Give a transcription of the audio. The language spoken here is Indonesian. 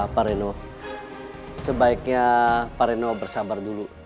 pak reno sebaiknya pak reno bersabar dulu